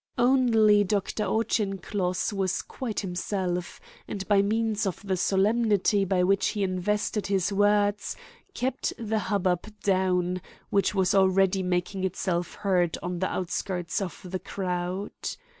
"Only Doctor Auchincloss was quite himself, and by means of the solemnity with which he invested his words kept the hubbub down, which was already making itself heard on the outskirts of the crowd.